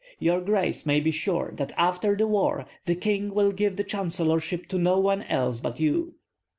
Your grace may be sure that after the war the king will give the chancellorship to no one else but you."